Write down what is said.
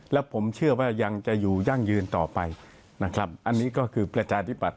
และผมเชื่อว่ายังจะอยู่ยั่งยืนต่อไปนะครับอันนี้ก็คือประชาธิปัต